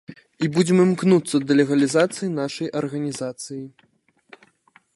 І будзем імкнуцца да легалізацыі нашай арганізацыі.